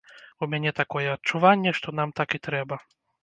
У мяне такое адчуванне, што нам так і трэба.